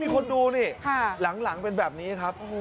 คนดูนี่หลังเป็นแบบนี้ครับ